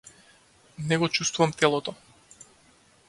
Не го чуствувам телото.